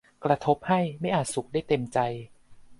กระทบให้ไม่อาจสุขได้เต็มใจ